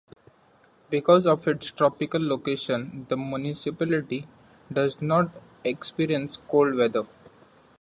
Because of its tropical location the municipality does not experience cold weather.